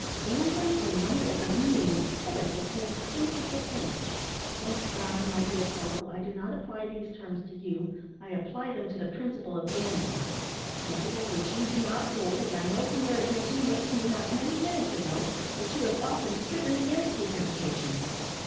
Gambling for money is a mean, pitiful, contemptible thing don't frown, my dear fellow, I do not apply these terms to you, I apply them to the principle of gambling a principle which you do not hold, as I know from your admission, made to me not many minutes ago, that you have often striven against the temptation.